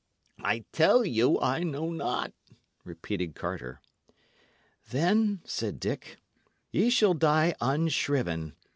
"I tell you I know not," repeated Carter. "Then," said Dick, "ye shall die unshriven.